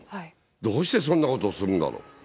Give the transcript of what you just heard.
どうしてそんなことをするんだろう。